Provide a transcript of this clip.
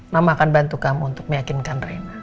mama akan bantu kamu untuk meyakinkan rena